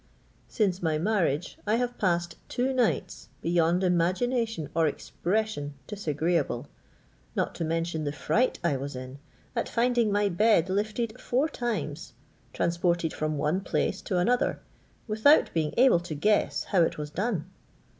Since my marriage, I have passed two nights beyond imagination or expression disagreeable, not to mention the fright I was in at finding my bed lifted four times, transported from one place to another, without being able to guess how it was done.